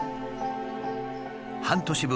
半年分